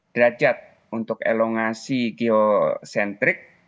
derajat untuk elongasi geosentrik